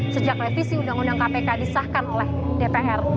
sejak revisi undang undang kpk disahkan oleh dpr